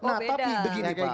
nah tapi begini pak